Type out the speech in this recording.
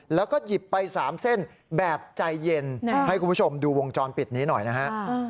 แล้วก็หยิบไป๓เส้นแบบใจเย็นให้คุณผู้ชมดูวงจรปิดนี้หน่อยนะฮะ